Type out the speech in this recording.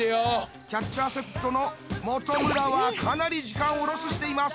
キャッチャーセットの本村はかなり時間をロスしています。